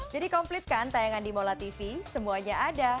jadi komplitkan tayangan di molatv semuanya ada